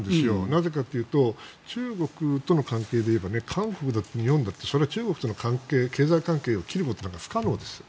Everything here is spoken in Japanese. なぜかというと中国との関係でいえば韓国だって、日本だってそれは中国との経済関係を切ることなんか不可能ですよ